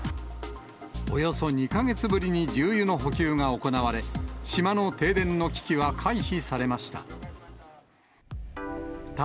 およそ２か月ぶりに重油の補給が行われ、島の停電の危機は回避されました。